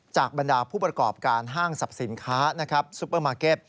บรรดาผู้ประกอบการห้างสรรพสินค้าซุปเปอร์มาร์เก็ต